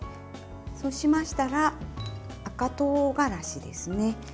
そうしましたら赤とうがらしですね。